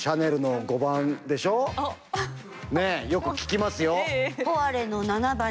よく聞きますよ。